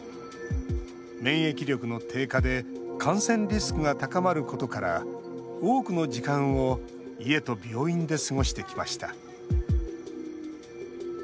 免疫力の低下で感染リスクが高まることから多くの時間を家と病院で過ごしてきました。